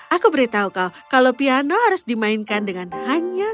aku beritahu kau kalau piano harus dimainkan dengan hanya